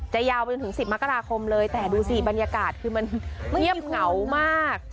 ยาวไปจนถึง๑๐มกราคมเลยแต่ดูสิบรรยากาศคือมันเงียบเหงามาก